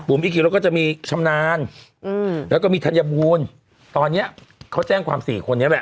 บุมอิคิวก็จะมีชำนาญแล้วก็มีธัญบูรณ์ตอนเนี่ยเขาแจ้งความ๔คนนี้แหละ